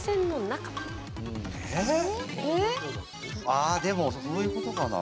あーでもこういうことかな？